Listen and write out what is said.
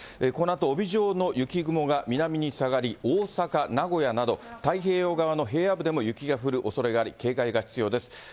このあと帯状の雪雲が南に下がり、大阪、名古屋など、太平洋側の平野部でも雪が降るおそれがあり、警戒が必要です。